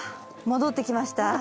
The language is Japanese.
戻ってきました？